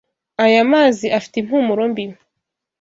Aya mazi afite impumuro mbi.